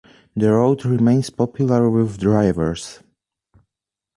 The road remains popular with drivers.